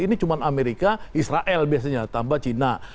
ini cuma amerika israel biasanya tambah cina